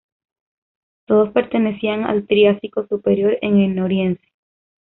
Todos pertenecían al Triásico Superior, en el Noriense.